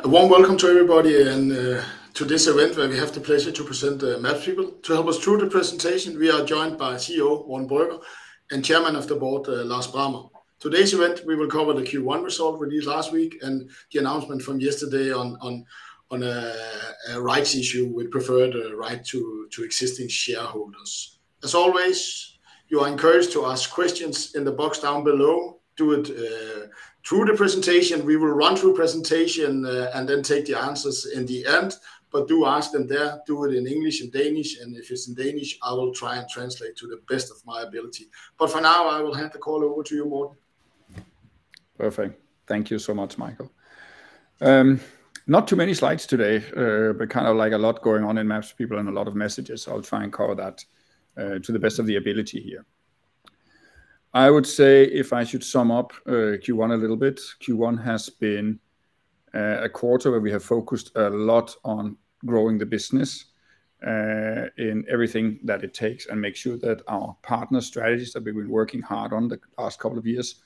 Hi, a warm welcome to everybody and to this event where we have the pleasure to present MapsPeople. To help us through the presentation, we are joined by CEO, Morten Brøgger, and Chairman of the Board, Lars Brammer. Today's event, we will cover the Q1 result released last week and the announcement from yesterday on a rights issue. We prefer the right to existing shareholders. As always, you are encouraged to ask questions in the box down below. Do it through the presentation. We will run through presentation and then take the answers in the end, but do ask them there. Do it in English and Danish, and if it's in Danish, I will try and translate to the best of my ability. For now, I will hand the call over to you, Morten. Perfect. Thank you so much, Michael. Not too many slides today, but kind of like a lot going on in MapsPeople and a lot of messages, so I'll try and cover that to the best of the ability here. I would say, if I should sum up Q1 a little bit, Q1 has been a quarter where we have focused a lot on growing the business in everything that it takes, and make sure that our partner strategies that we've been working hard on the past couple of years,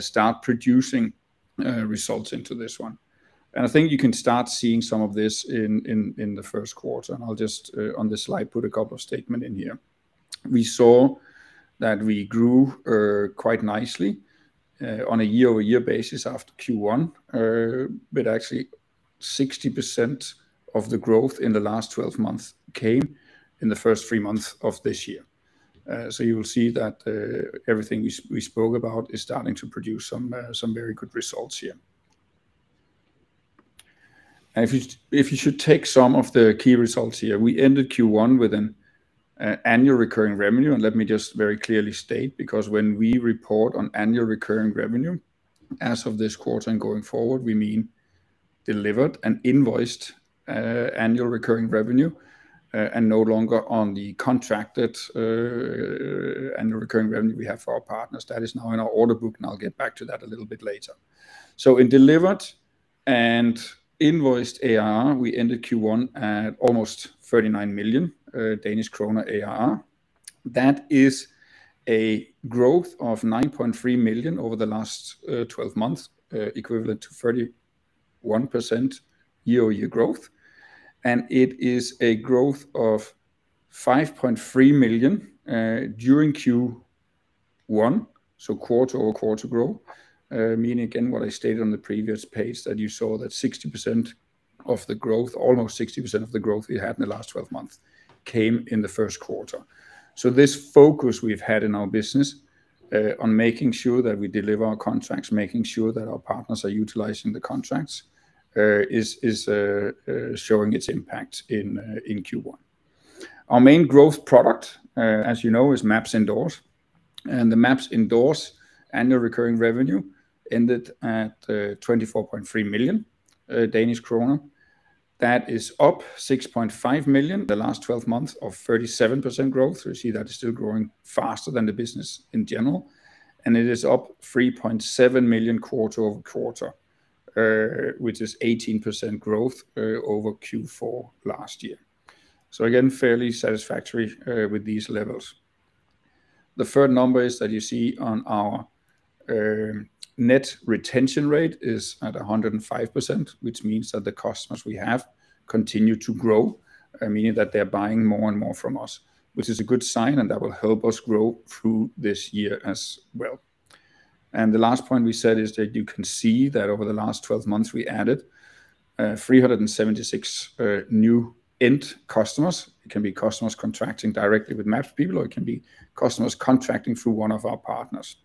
start producing results into this one. I think you can start seeing some of this in, in the first quarter, and I'll just on this slide, put a couple of statement in here. We saw that we grew quite nicely on a year-over-year basis after Q1. Actually, 60% of the growth in the last 12 months came in the first three months of this year. You will see that everything we spoke about is starting to produce some very good results here. If you should take some of the key results here, we ended Q1 with an annual recurring revenue, and let me just very clearly state, because when we report on annual recurring revenue, as of this quarter and going forward, we mean delivered and invoiced annual recurring revenue and no longer on the contracted annual recurring revenue we have for our partners. That is now in our order book, and I'll get back to that a little bit later. In delivered and invoiced ARR, we ended Q1 at almost 39 million Danish kroner ARR. That is a growth of 9.3 million over the last 12 months, equivalent to 31% year-over-year growth. It is a growth of 5.3 million during Q1, so quarter-over-quarter growth. Meaning again, what I stated on the previous page, that you saw that 60% of the growth, almost 60% of the growth we had in the last 12 months, came in the first quarter. This focus we've had in our business on making sure that we deliver our contracts, making sure that our partners are utilizing the contracts, is showing its impact in Q1. Our main growth product, as you know, is MapsIndoors. The MapsIndoors annual recurring revenue ended at 24.3 million Danish kroner. That is up 6.5 million the last 12 months of 37% growth. You see that is still growing faster than the business in general, and it is up 3.7 million quarter-over-quarter, which is 18% growth over Q4 last year. Again, fairly satisfactory with these levels. The third number is that you see on our net retention rate is at 105%, which means that the customers we have continue to grow, meaning that they're buying more and more from us, which is a good sign, and that will help us grow through this year as well. The last point we said is that you can see that over the last 12 months, we added 376 new end customers. It can be customers contracting directly with MapsPeople, or it can be customers contracting through one of our partners.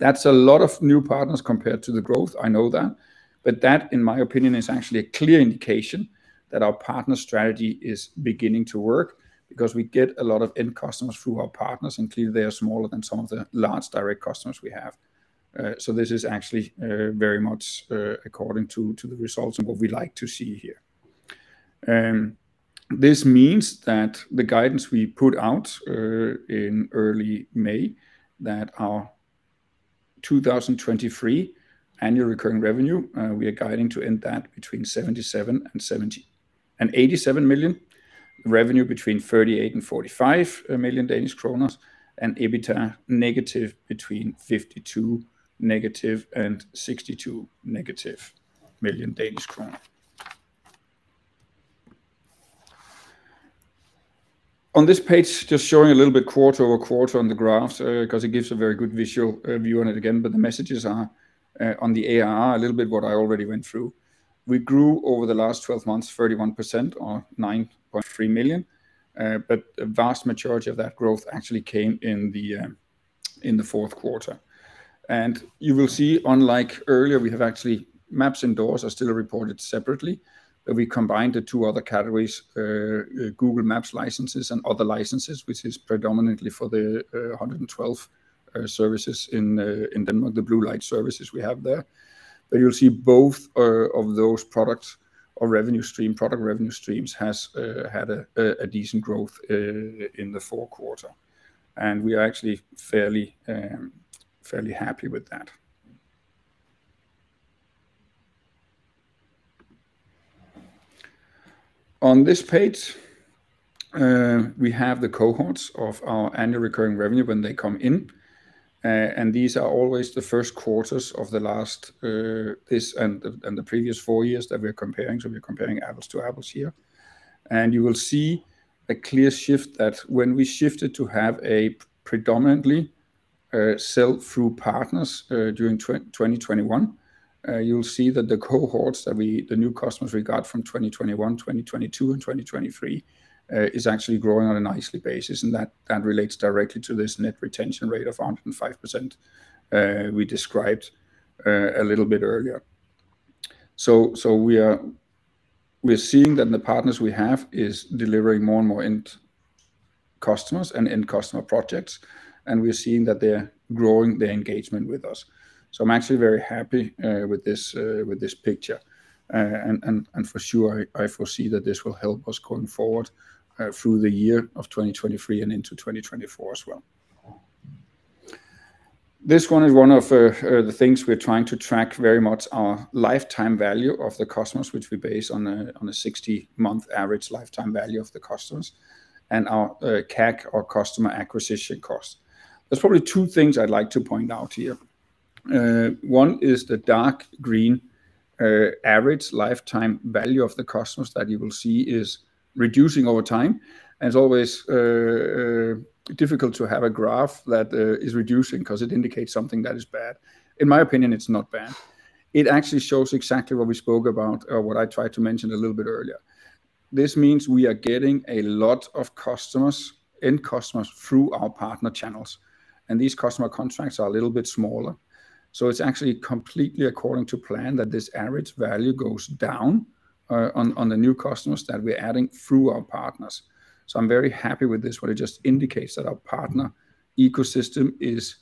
That's a lot of new partners compared to the growth, I know that, in my opinion, is actually a clear indication that our partner strategy is beginning to work because we get a lot of end customers through our partners, and clearly, they are smaller than some of the large direct customers we have. This is actually very much according to the results and what we like to see here. This means that the guidance we put out in early May, that our 2023 annual recurring revenue, we are guiding to end that between 77 and 70. 87 million, revenue between 38 million-45 million Danish kroner, and EBITDA negative between -52 million and -62 million Danish kroner. On this page, just showing a little bit quarter-over-quarter on the graphs, 'cause it gives a very good visual view on it again, but the messages are on the ARR, a little bit what I already went through. We grew over the last 12 months, 31% or 9.3 million, but a vast majority of that growth actually came in the fourth quarter. You will see, unlike earlier, we have actually MapsIndoors are still reported separately. We combined the two other categories, Google Maps licenses and other licenses, which is predominantly for the 112 services in Denmark, the blue light services we have there. You'll see both of those products or revenue stream, product revenue streams, has had a decent growth in the fourth quarter. We are actually fairly happy with that. On this page, we have the cohorts of our annual recurring revenue when they come in. These are always the first quarters of the last, this and the previous 4 years that we're comparing. We're comparing apples to apples here. You will see a clear shift that when we shifted to have a predominantly sell through partners during 2021, you'll see that the cohorts that the new customers we got from 2021, 2022, and 2023 is actually growing on a nicely basis, and that relates directly to this net retention rate of 105% we described a little bit earlier. We're seeing that the partners we have is delivering more and more end customers and end customer projects, and we're seeing that they're growing their engagement with us. I'm actually very happy with this with this picture. For sure, I foresee that this will help us going forward through the year of 2023 and into 2024 as well. This one is one of the things we're trying to track very much, our lifetime value of the customers, which we base on a 60-month average lifetime value of the customers and our CAC or customer acquisition cost. There's probably two things I'd like to point out here. One is the dark green average lifetime value of the customers that you will see is reducing over time, and it's always difficult to have a graph that is reducing because it indicates something that is bad. In my opinion, it's not bad. It actually shows exactly what we spoke about or what I tried to mention a little bit earlier. This means we are getting a lot of customers, end customers, through our partner channels, and these customer contracts are a little bit smaller. It's actually completely according to plan that this average value goes down on the new customers that we're adding through our partners. I'm very happy with this, but it just indicates that our partner ecosystem is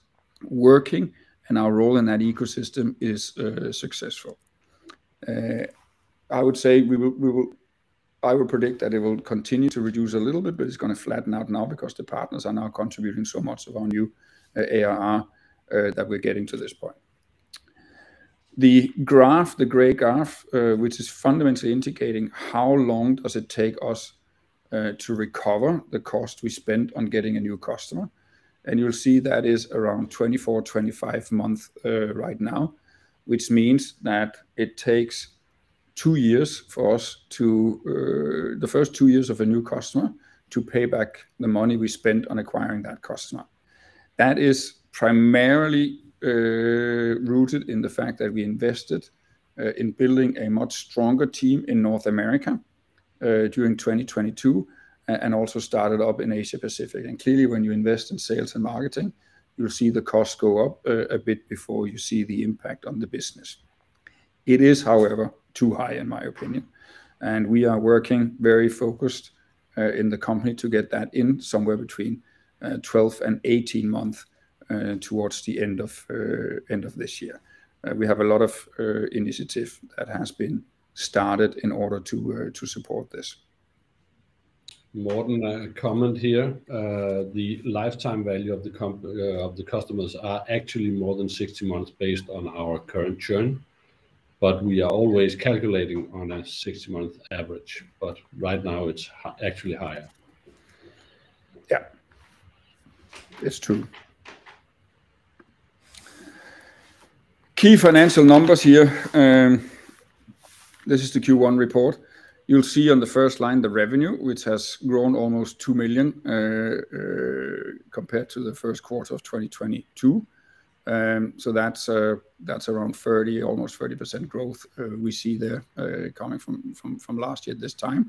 working, and our role in that ecosystem is successful. I would say I would predict that it will continue to reduce a little bit, but it's gonna flatten out now because the partners are now contributing so much of our new ARR that we're getting to this point. The graph, the gray graph, which is fundamentally indicating how long does it take us to recover the cost we spent on getting a new customer, and you'll see that is around 24-25 months right now, which means that it takes two years for us to. The first two years of a new customer to pay back the money we spent on acquiring that customer. That is primarily rooted in the fact that we invested in building a much stronger team in North America during 2022 and also started up in Asia Pacific. Clearly, when you invest in sales and marketing, you'll see the cost go up a bit before you see the impact on the business. It is, however, too high, in my opinion, and we are working very focused in the company to get that in somewhere between 12 and 18 months towards the end of this year. We have a lot of initiative that has been started in order to support this. Morten, a comment here. The lifetime value of the customers are actually more than 60 months based on our current churn. We are always calculating on a 60-month average. Right now it's actually higher. Yeah, it's true. Key financial numbers here. This is the Q1 report. You'll see on the first line the revenue, which has grown almost 2 million, compared to the first quarter of 2022. That's around 30%, almost 30% growth, we see there, coming from last year this time.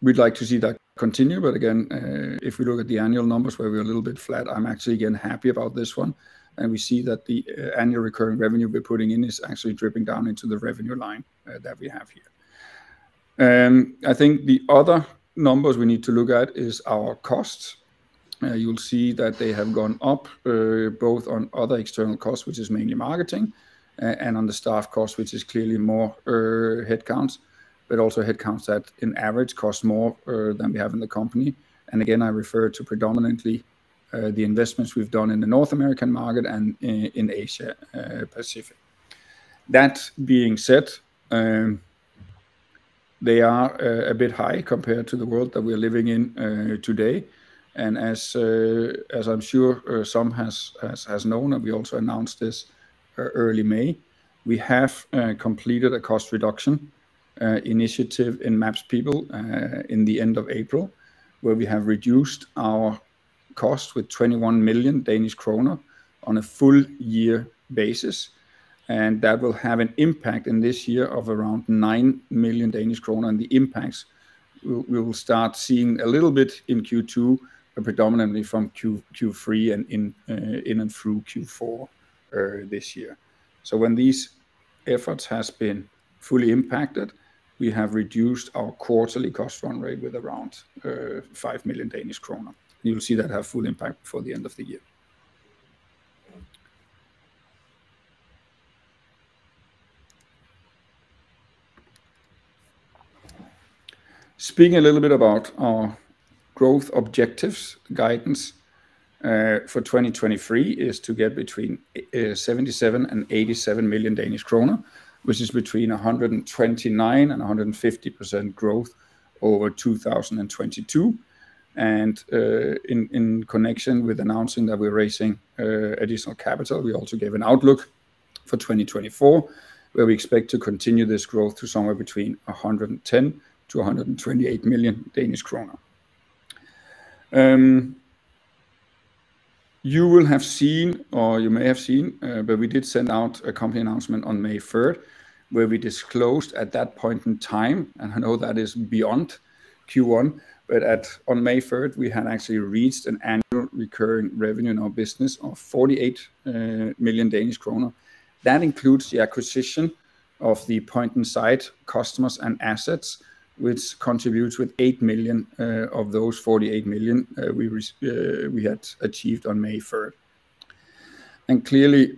We'd like to see that continue, but again, if we look at the annual numbers where we're a little bit flat, I'm actually again happy about this one, and we see that the annual recurring revenue we're putting in is actually dripping down into the revenue line that we have here. I think the other numbers we need to look at is our costs. You'll see that they have gone up, both on other external costs, which is mainly marketing, and on the staff cost, which is clearly more headcounts, but also headcounts that in average cost more than we have in the company. Again, I refer to predominantly the investments we've done in the North American market and in Asia Pacific. That being said, they are a bit high compared to the world that we're living in today. As I'm sure some has known, and we also announced this early May, we have completed a cost reduction initiative in MapsPeople in the end of April, where we have reduced our cost with 21 million Danish kroner on a full year basis. That will have an impact in this year of around 9 million Danish kroner. The impacts we will start seeing a little bit in Q2, but predominantly from Q3 and in and through Q4 this year. When these efforts has been fully impacted, we have reduced our quarterly cost run rate with around 5 million Danish kroner. You will see that have full impact before the end of the year. Speaking a little bit about our growth objectives, guidance, for 2023 is to get between 77 million and 87 million Danish kroner, which is between 129% and 150% growth over 2022. In connection with announcing that we're raising additional capital, we also gave an outlook for 2024, where we expect to continue this growth to somewhere between 110 million-128 million Danish krone. You will have seen, or you may have seen, but we did send out a company announcement on May third, where we disclosed at that point in time, and I know that is beyond Q1, but on May third, we had actually reached an annual recurring revenue in our business of 48 million Danish kroner. That includes the acquisition of the Point Inside customers and assets, which contributes with 8 million of those 48 million we had achieved on May third. Clearly,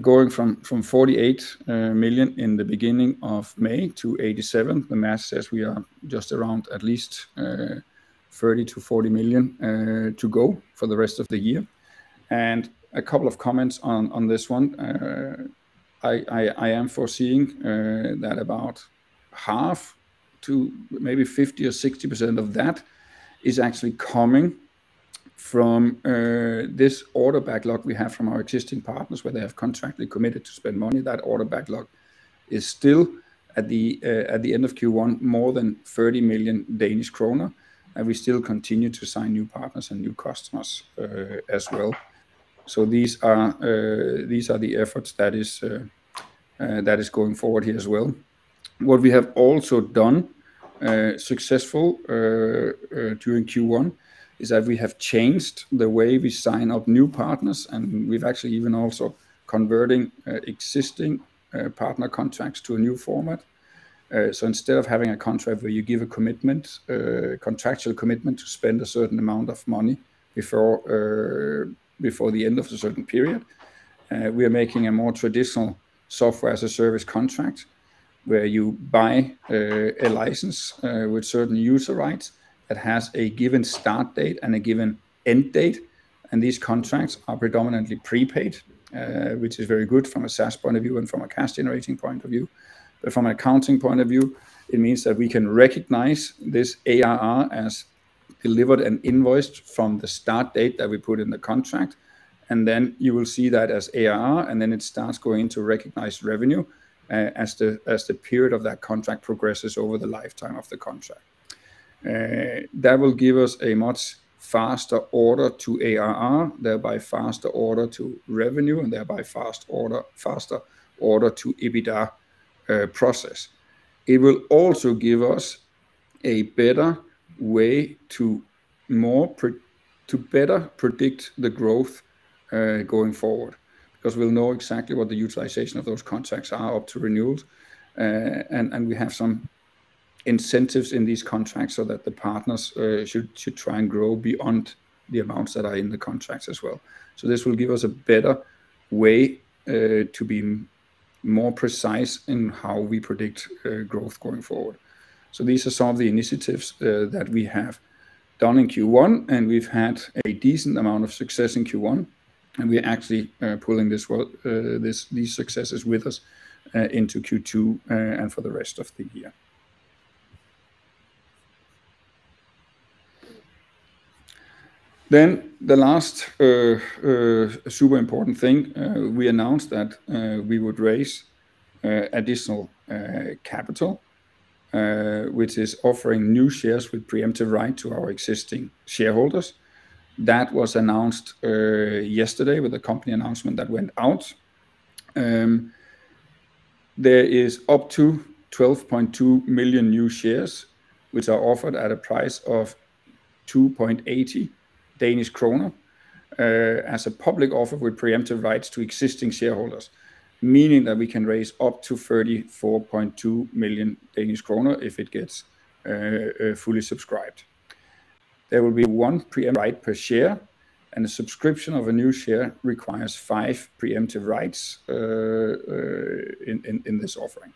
going from 48 million in the beginning of May to 87 million, the math says we are just around at least 30 million-40 million to go for the rest of the year. A couple of comments on this one. I am foreseeing that about half to maybe 50% or 60% of that is actually coming from this order backlog we have from our existing partners, where they have contractually committed to spend money. That order backlog is still at the end of Q1, more than 30 million Danish kroner, and we still continue to sign new partners and new customers as well. These are the efforts that is going forward here as well. What we have also done successful during Q1, is that we have changed the way we sign up new partners, and we've actually even also converting existing partner contracts to a new format. Instead of having a contract where you give a commitment, a contractual commitment to spend a certain amount of money before the end of a certain period, we are making a more traditional Software-as-a-Service contract, where you buy a license with certain user rights that has a given start date and a given end date, and these contracts are predominantly prepaid, which is very good from a SaaS point of view and from a cash-generating point of view. From an accounting point of view, it means that we can recognize this ARR as delivered and invoiced from the start date that we put in the contract, and then you will see that as ARR, and then it starts going to recognized revenue as the period of that contract progresses over the lifetime of the contract. That will give us a much faster order to ARR, thereby faster order to revenue, and thereby faster order to EBITDA process. It will also give us a better way to better predict the growth going forward, because we'll know exactly what the utilization of those contracts are up to renewals. We have some incentives in these contracts so that the partners should try and grow beyond the amounts that are in the contracts as well. This will give us a better way to be more precise in how we predict growth going forward. These are some of the initiatives, that we have done in Q1, and we've had a decent amount of success in Q1, and we are actually pulling this world, this, these successes with us, into Q2, and for the rest of the year. The last, super important thing, we announced that we would raise additional capital, which is offering new shares with pre-emptive right to our existing shareholders. That was announced yesterday with a company announcement that went out. There is up to 12.2 million new shares, which are offered at a price of 2.80 Danish kroner, as a public offer with pre-emptive rights to existing shareholders, meaning that we can raise up to 34.2 million Danish kroner if it gets fully subscribed. There will be one pre-emptive right per share, and a subscription of a new share requires five pre-emptive rights in this offering.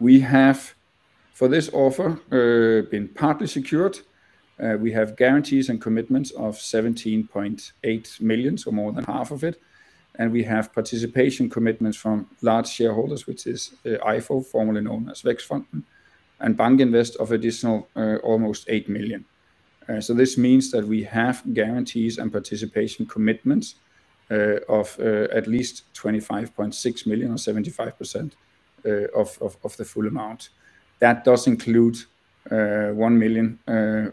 We have, for this offer, been partly secured. We have guarantees and commitments of 17.8 million, so more than half of it. We have participation commitments from large shareholders, which is EIFO, formerly known as Vækstfonden, and BankInvest of additional 8 million. This means that we have guarantees and participation commitments of at least 25.6 million, or 75%, of the full amount. That does include 1 million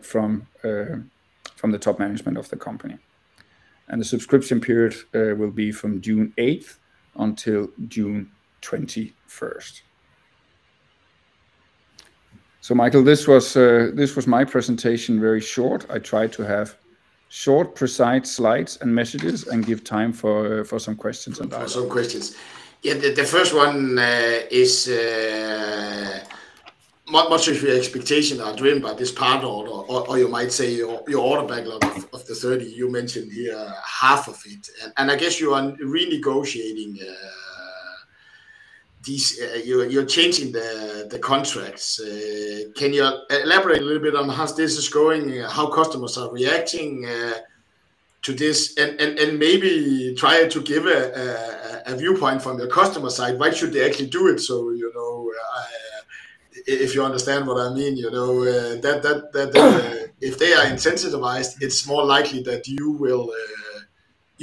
from the top management of the company. The subscription period will be from June 8th until June 21st. Michael, this was my presentation, very short. I tried to have short, precise slides and messages and give time for some questions and answers. For some questions. The first one is what is your expectation are driven by this partner or you might say your order backlog of the 30 you mentioned here, half of it. I guess you are renegotiating these, you're changing the contracts. Can you elaborate a little bit on how this is going, how customers are reacting to this? Maybe try to give a viewpoint from the customer side, why should they actually do it so, you know, if you understand what I mean, you know, if they are incentivized, it's more likely that you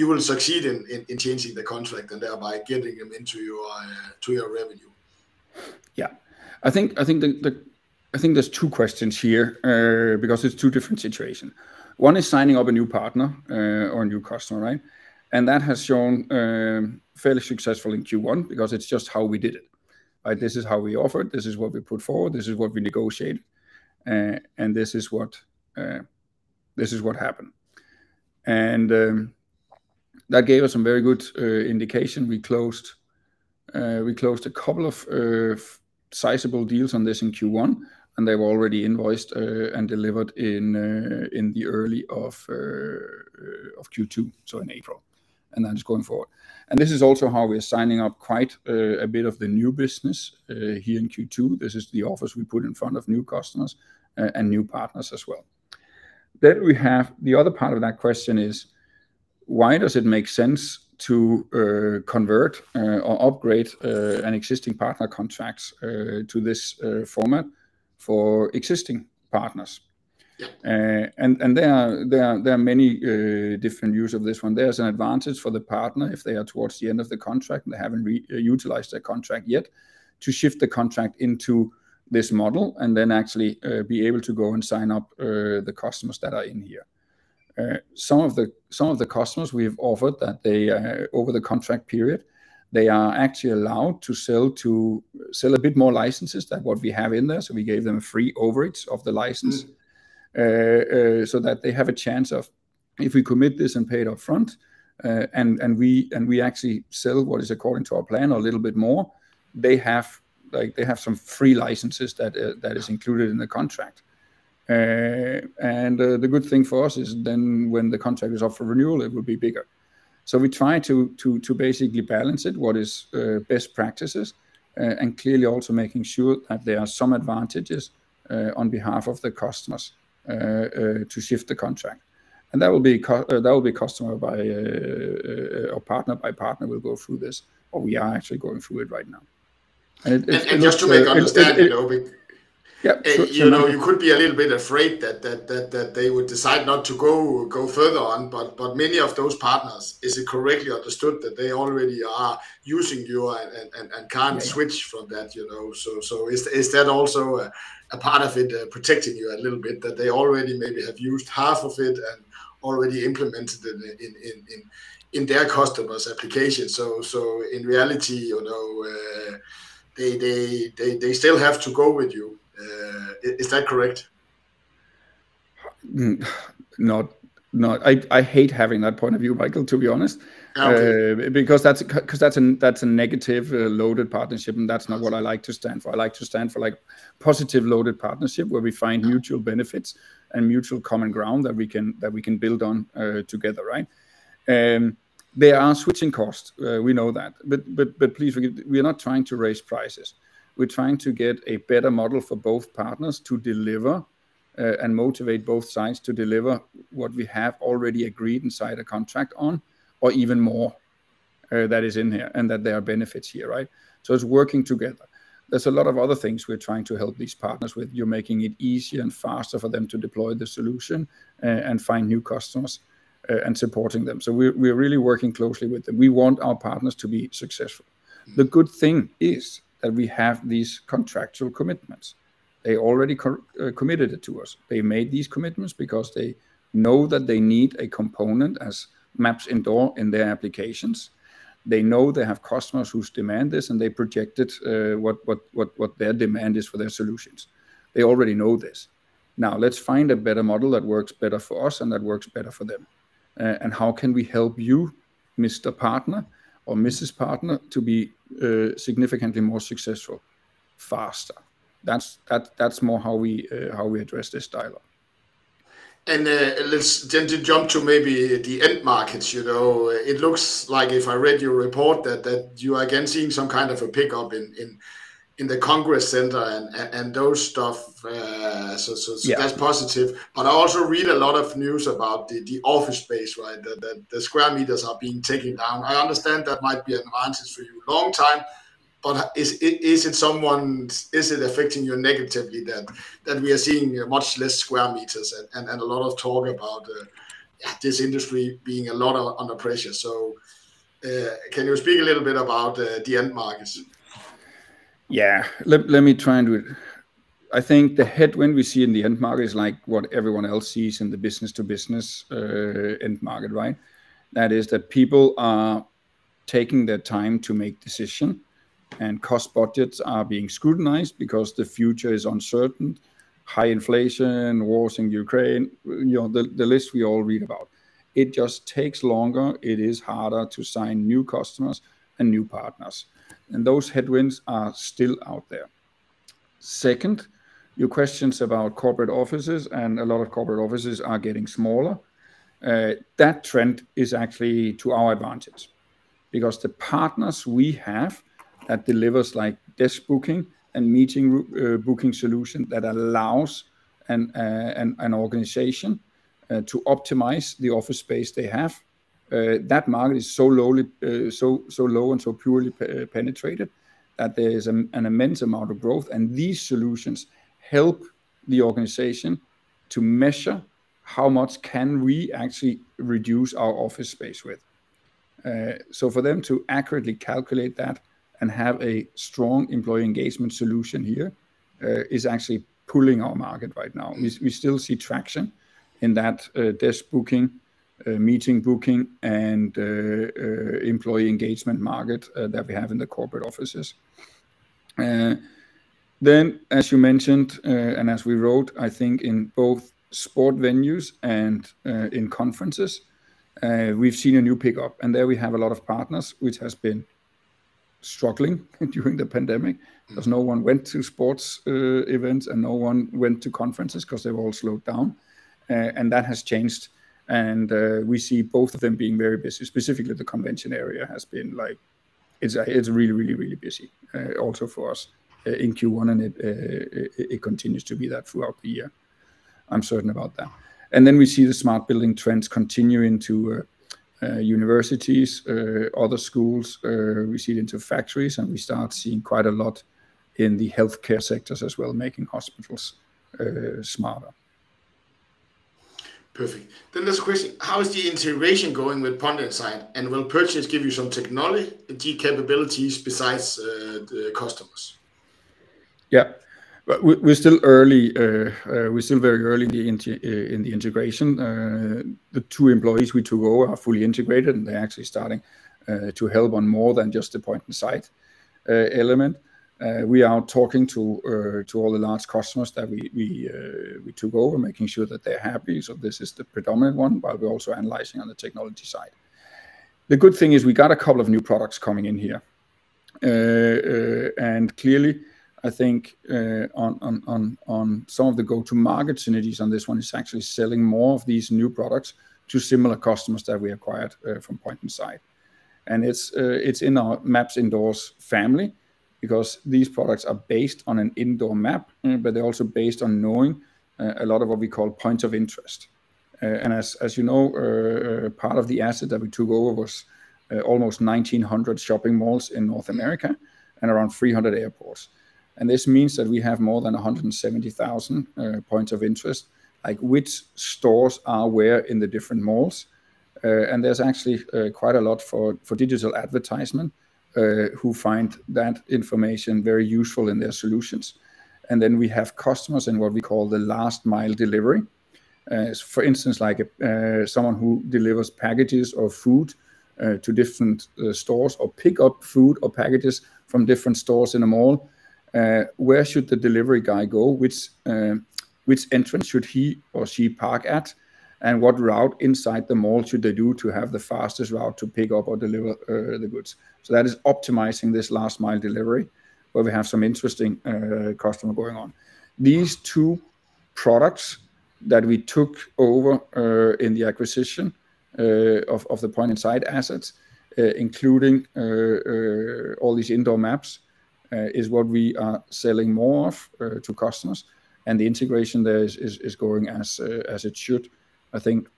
will succeed in changing the contract and thereby getting them into your to your revenue. Yeah. I think there's two questions here, because it's two different situation. One is signing up a new partner, or a new customer, right? That has shown, fairly successful in Q1, because it's just how we did it, right? This is how we offered, this is what we put forward, this is what we negotiated, and this is what happened. That gave us some very good, indication. We closed a couple of sizable deals on this in Q1, and they were already invoiced, and delivered in the early of Q2, so in April, then it's going forward. This is also how we're signing up quite, a bit of the new business, here in Q2. This is the office we put in front of new customers, and new partners as well. We have, the other part of that question is, why does it make sense to convert or upgrade an existing partner contracts to this format for existing partners? Yeah. There are many different views of this one. There's an advantage for the partner if they are towards the end of the contract and they haven't re-utilized their contract yet, to shift the contract into this model, and then actually, be able to go and sign up, the customers that are in here. Some of the customers we've offered that they, over the contract period, they are actually allowed to sell a bit more licenses than what we have in there, so we gave them a free overage of the license. So that they have a chance of, if we commit this and pay it upfront, and we actually sell what is according to our plan a little bit more, they have, like, they have some free licenses that is included in the contract. The good thing for us is then when the contract is up for renewal, it will be bigger. We try to basically balance it, what is best practices, and clearly also making sure that there are some advantages on behalf of the customers to shift the contract. That will be customer by or partner by partner, we'll go through this, or we are actually going through it right now. It looks to me. Just to make understanding, you know. Yeah. You know, you could be a little bit afraid that they would decide not to go further on, but many of those partners, is it correctly understood that they already are using you and switch from that, you know? Is that also a part of it, protecting you a little bit, that they already maybe have used half of it and already implemented it in their customers' applications? In reality, you know, they still have to go with you. Is that correct? I hate having that point of view, Michael, to be honest. Okay. Because that's a, that's a negative, loaded partnership, and that's not what I like to stand for. I like to stand for, like, positive loaded partnership, where we find mutual benefits and mutual common ground that we can build on together, right? There are switching costs, we know that. Please forgive, we are not trying to raise prices. We're trying to get a better model for both partners to deliver and motivate both sides to deliver what we have already agreed inside a contract on, or even more, that is in there, and that there are benefits here, right? It's working together. There's a lot of other things we're trying to help these partners with. You're making it easier and faster for them to deploy the solution, and find new customers, and supporting them. We're really working closely with them. We want our partners to be successful. The good thing is that we have these contractual commitments. They already committed it to us. They made these commitments because they know that they need a component as MapsIndoors in their applications. They know they have customers whose demand this, and they projected what their demand is for their solutions. They already know this. Let's find a better model that works better for us and that works better for them, and how can we help you, Mr. Partner or Mrs. Partner, to be significantly more successful faster? That's more how we address this dialogue. Let's then to jump to maybe the end markets, you know. It looks like, if I read your report, that you are again seeing some kind of a pickup in the Congress center and those stuff. Yeah So that's positive. I also read a lot of news about the office space, right? The square meters are being taken down. I understand that might be an advantage for you long time, but Is it affecting you negatively, then, that we are seeing much less square meters and a lot of talk about this industry being a lot of under pressure? Can you speak a little bit about the end markets? Yeah. Let me try and do it. I think the headwind we see in the end market is like what everyone else sees in the business-to-business end market, right? That is that people are taking their time to make decision, and cost budgets are being scrutinized because the future is uncertain, high inflation, wars in Ukraine, you know, the list we all read about. It just takes longer, it is harder to sign new customers and new partners, and those headwinds are still out there. Second, your questions about corporate offices and a lot of corporate offices are getting smaller. That trend is actually to our advantage, because the partners we have that delivers like desk booking and meeting booking solution that allows an organization to optimize the office space they have, that market is so lowly, so low and so poorly penetrated that there is an immense amount of growth. These solutions help the organization to measure how much can we actually reduce our office space with. So for them to accurately calculate that and have a strong employee engagement solution here, is actually pulling our market right now. We still see traction in that desk booking, meeting booking, and employee engagement market that we have in the corporate offices. As you mentioned, and as we wrote, I think in both sport venues and in conferences, we've seen a new pickup. There we have a lot of partners which has been struggling during the pandemic because no one went to sports events and no one went to conferences 'cause they were all slowed down. That has changed, we see both of them being very busy. Specifically, the convention area has been like. It's really, really, really busy, also for us in Q1, and it continues to be that throughout the year. I'm certain about that. We see the smart building trends continuing to universities, other schools, we see it into factories, and we start seeing quite a lot in the healthcare sectors as well, making hospitals smarter. Perfect. Last question: How is the integration going with Point Inside, and will purchase give you some technology capabilities besides the customers? Yeah. Well, we're still early, we're still very early in the integration. The two employees we took over are fully integrated, and they're actually starting to help on more than just the Point Inside element. We are talking to all the large customers that we took over, making sure that they're happy. This is the predominant one, but we're also analyzing on the technology side. The good thing is we got a couple of new products coming in here. Clearly, I think on some of the go-to-market synergies on this one is actually selling more of these new products to similar customers that we acquired from Point Inside. It's in our MapsIndoors family because these products are based on an indoor map they're also based on knowing a lot of what we call points of interest. As you know, part of the asset that we took over was almost 1,900 shopping malls in North America and around 300 airports. This means that we have more than 170,000 points of interest, like which stores are where in the different malls. There's actually quite a lot for digital advertising who find that information very useful in their solutions. We have customers in what we call the last-mile delivery. For instance, like someone who delivers packages or food to different stores or pick up food or packages from different stores in a mall, where should the delivery guy go? Which entrance should he or she park at? What route inside the mall should they do to have the fastest route to pick up or deliver the goods? That is optimizing this last mile delivery, where we have some interesting customer going on. These two products that we took over in the acquisition of the Point Inside assets, including all these indoor maps, is what we are selling more of to customers, and the integration there is going as it should. I think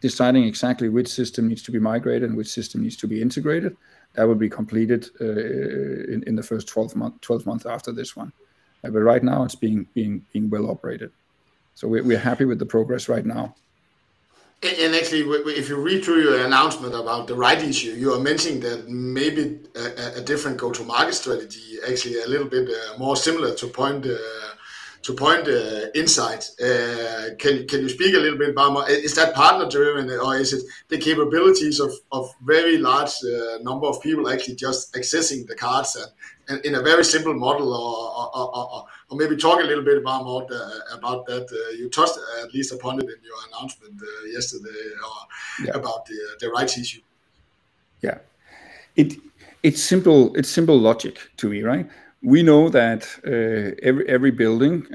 deciding exactly which system needs to be migrated and which system needs to be integrated, that will be completed in the first 12 months after this one. Right now it's being well operated. We're happy with the progress right now. Actually, if you read through your announcement about the rights issue, you are mentioning that maybe a different go-to-market strategy, actually a little bit more similar to Point Inside. Can you speak a little bit about more? Is that partner-driven, or is it the capabilities of very large number of people actually just accessing the cards and in a very simple model or maybe talk a little bit about more about that, you touched at least upon it in your announcement yesterday about the rights issue. Yeah. It's simple logic to me, right? We know that every building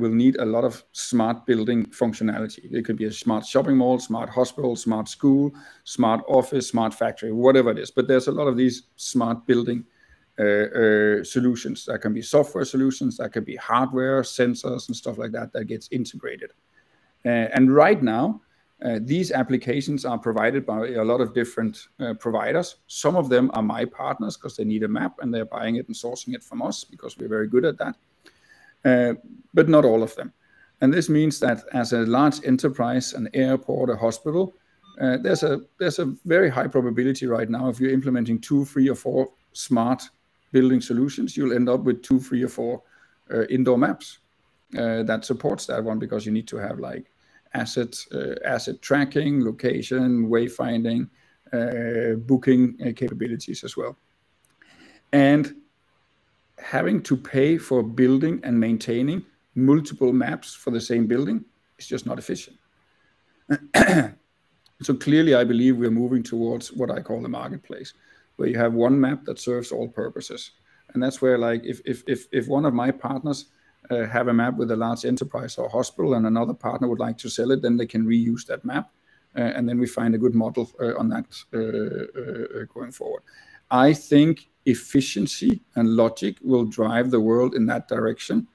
will need a lot of smart building functionality. It could be a smart shopping mall, smart hospital, smart school, smart office, smart factory, whatever it is. There's a lot of these smart building solutions. That can be software solutions, that could be hardware, sensors, and stuff like that that gets integrated. Right now, these applications are provided by a lot of different providers. Some of them are my partners 'cause they need a map, and they're buying it and sourcing it from us because we're very good at that, but not all of them. This means that as a large enterprise, an airport, a hospital, there's a very high probability right now, if you're implementing two, three, or four smart building solutions, you'll end up with two, three, or four indoor maps that supports that one, because you need to have, like, assets, asset tracking, location, way finding, booking capabilities as well. Having to pay for building and maintaining multiple maps for the same building is just not efficient. Clearly, I believe we're moving towards what I call the marketplace, where you have one map that serves all purposes. That's where, like, if one of my partners have a map with a large enterprise or hospital and another partner would like to sell it, then they can reuse that map, and then we find a good model on that going forward. I think efficiency and logic will drive the world in that direction,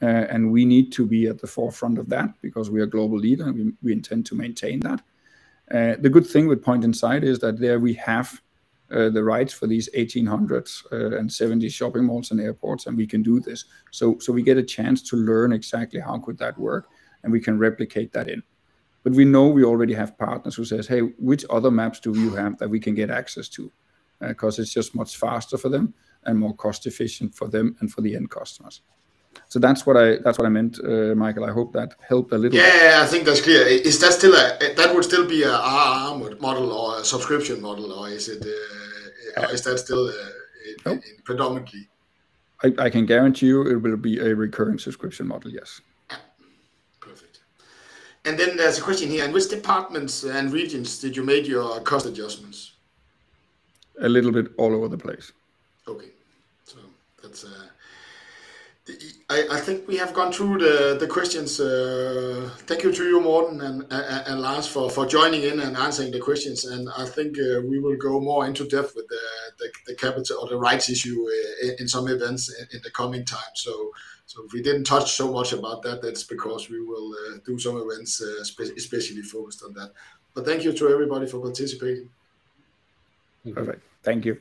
and we need to be at the forefront of that because we are a global leader, and we intend to maintain that. The good thing with Point Inside is that there we have the rights for these 1,800 and 70 shopping malls and airports, and we can do this. We get a chance to learn exactly how could that work, and we can replicate that in. We know we already have partners who says, "Hey, which other maps do you have that we can get access to?" 'Cause it's just much faster for them and more cost efficient for them and for the end customers. That's what I, that's what I meant, Michael, I hope that helped a little bit. Yeah, I think that's clear. Is that still That would still be a ARR model or a subscription model, or is it, is that still predominantly? I can guarantee you it will be a recurring subscription model, yes. Yeah. Perfect. There's a question here, in which departments and regions did you make your cost adjustments? A little bit all over the place. That's, I think we have gone through the questions. Thank you to you, Morten and Lars, for joining in and answering the questions. I think we will go more into depth with the capital or the rights issue in some events in the coming time. If we didn't touch so much about that's because we will do some events especially focused on that. Thank you to everybody for participating. Perfect. Thank you.